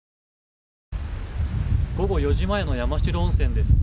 午後４時前の、温泉です。